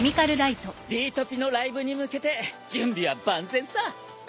Ｄトピのライブに向けて準備は万全さ！